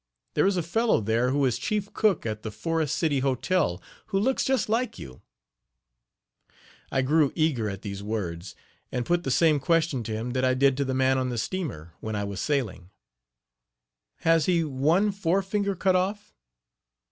There is a fellow there who is chief cook at the Forest City Hotel who looks just like you." I grew eager at these words, and put the same question to him that I did to the man on the steamer when I was sailing: "Has he one fore finger cut off?